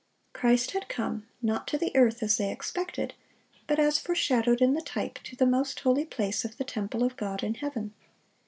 Christ had come, not to the earth, as they expected, but, as foreshadowed in the type, to the most holy place of the temple of God in heaven.